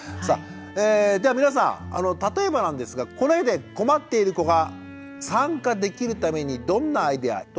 さあでは皆さん例えばなんですがこの絵で困っている子が参加できるためにどんなアイデア。